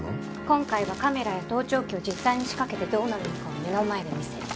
今回はカメラや盗聴器を実際に仕掛けてどうなるのかを目の前で見せる。